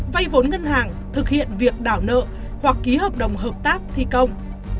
vay vốn ngân hàng thực hiện việc đảo nợ hoặc ký hợp đồng hợp tác thi công